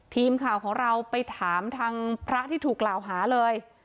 ทีมข่าวของเราไปถามทางพระที่ถูกกล่าวหาเลย